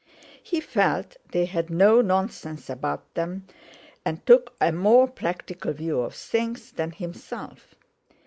He felt they had no nonsense about them, and took a more practical view of things than himself.